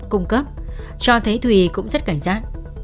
cung cấp cho thấy thùy cũng rất cảnh giác